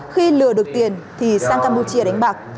khi lừa được tiền thì sang campuchia đánh bạc